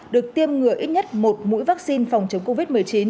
được tiêm ngừa ít nhất một mũi vaccine phòng chống covid một mươi chín